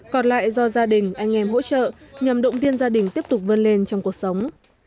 còn lại do gia đình anh em hỗ trợ nhằm động viên gia đình tiếp tục vươn lên trong cuộc sống